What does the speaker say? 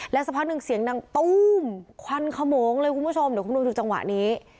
สักพักหนึ่งเสียงดังตู้มควันขโมงเลยคุณผู้ชมเดี๋ยวคุณดูจังหวะนี้